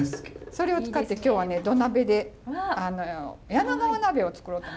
それを使って今日はね土鍋で柳川鍋を作ろうと。